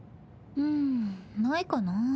うんないかな。